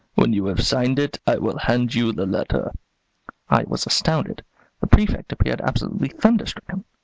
When you have signed it I will hand you the letter." I was astounded. The Prefect appeared absolutely thunderstricken.